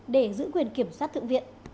để giữ quyền địa phương